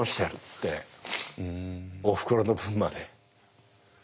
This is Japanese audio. おふくろの分まで。